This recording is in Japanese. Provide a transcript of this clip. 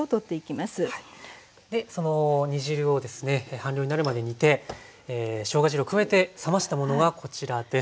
半量になるまで煮てしょうが汁を加えて冷ましたものがこちらです。